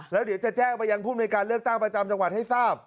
แล้วเดี๋ยวจะแจ้งไปยังภูมิในการเลือกตั้งประจำจังหวัดให้ทราบ